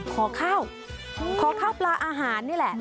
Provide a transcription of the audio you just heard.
ขอข้าวขอข้าวปลาอาหารนี่แหละ